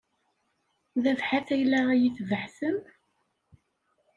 D abḥat ay la iyi-tbeḥḥtem?